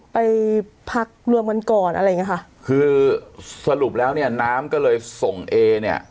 ไปพักรวมกันก่อนอะไรอย่างเงี้ยค่ะคือสรุปแล้วเนี่ยน้ำก็เลยส่งเอเนี่ย